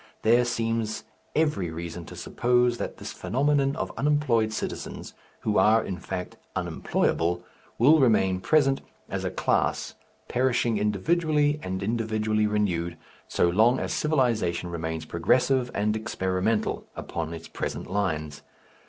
There seems every reason to suppose that this phenomenon of unemployed citizens, who are, in fact, unemployable, will remain present as a class, perishing individually and individually renewed, so long as civilization remains progressive and experimental upon its present lines.